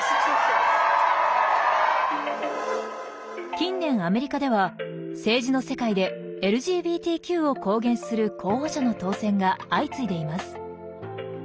近年アメリカでは政治の世界でＬＧＢＴＱを公言する候補者の当選が相次いでいます。